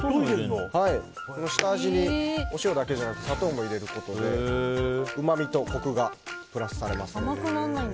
下味にお塩だけじゃなくて砂糖も入れることでうまみとコクがプラスされます。